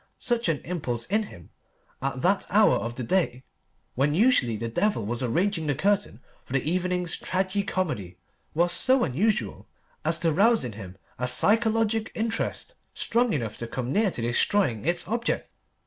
Such an impulse in him at that hour of the day, when usually the devil was arranging the curtain for the evening's tragi comedy, was so unusual as to rouse in him a psychologic interest strong enough to come near to destroying its object.